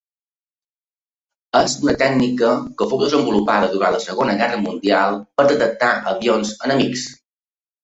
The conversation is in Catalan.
És una tècnica que fou desenvolupada durant la Segona Guerra Mundial per detectar avions enemics.